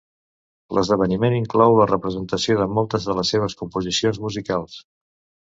L'esdeveniment inclou la representació de moltes de les seves composicions musicals.